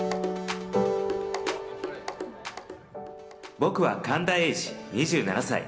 僕は神田英二、２７歳。